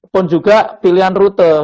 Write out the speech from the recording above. pun juga pilihan rute